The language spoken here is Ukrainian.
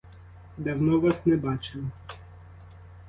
Давно вас не бачили.